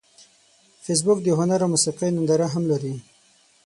فېسبوک د هنر او موسیقۍ ننداره هم لري